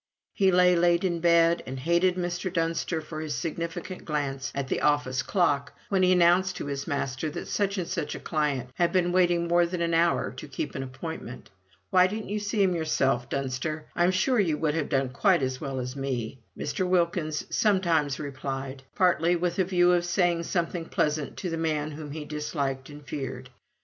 He lay late in bed, and hated Mr. Dunster for his significant glance at the office clock when he announced to his master that such and such a client had been waiting more than an hour to keep an appointment. "Why didn't you see him yourself, Dunster? I'm sure you would have done quite as well as me," Mr. Wilkins sometimes replied, partly with a view of saying something pleasant to the man whom he disliked and feared.